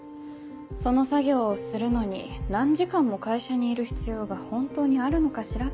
その作業をするのに何時間も会社にいる必要が本当にあるのかしら？